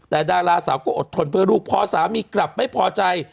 แต่ดาราสาวก็อดทนเพื่อลูกพอสามีกลับไม่พอใจ